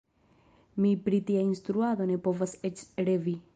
Mi pri tia instruado ne povas eĉ revi.